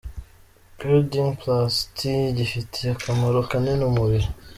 Kuding Plus Tea gifitiye akamaro kanini umubiri.